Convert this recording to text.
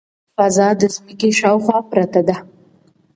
فضا د ځمکې شاوخوا پرته ده.